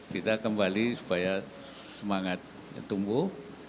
kita kembali supaya semangat tumbuh